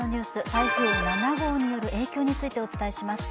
台風７号による影響についてお伝えします。